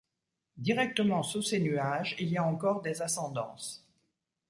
Directement sous ces nuages, il y a encore des ascendances.